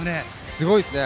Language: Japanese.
すごいですね。